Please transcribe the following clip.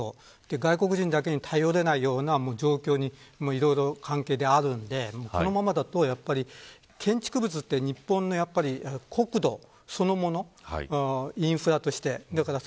外国人だけに頼れないような状況にあるんで、このままだと建築物って日本の国土そのものインフラとして。